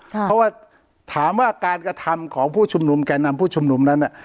เพราะว่าถามว่าการกระทำของผู้ชุมนุมแก่นำผู้ชุมนุมนั้น